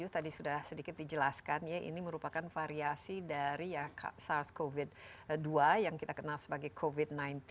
tadi sudah sedikit dijelaskan ya ini merupakan variasi dari sars cov dua yang kita kenal sebagai covid sembilan belas